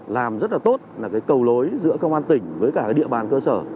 làm rất tốt là cầu lối giữa công an tỉnh với cả địa bàn cơ sở